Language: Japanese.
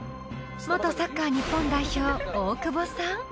［元サッカー日本代表大久保さん？］